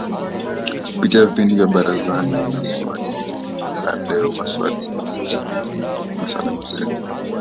kupitia vipindi vya Barazani na Swali la Leo Maswali na Majibu na Salamu Zenu